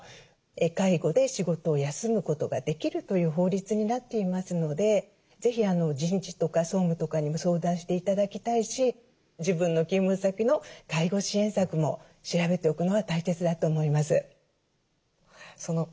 介護で仕事を休むことができるという法律になっていますので是非人事とか総務とかにも相談して頂きたいし自分の勤務先の介護支援策も調べておくのは大切だと思います。